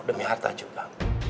demi harta juga